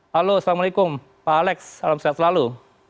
halo assalamualaikum pak alex salam sehat selalu